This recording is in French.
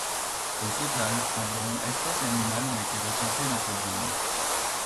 Au total, environ espèces animales ont été recensées dans cette zone.